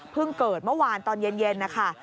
เกิดเมื่อวานตอนเย็นนะคะ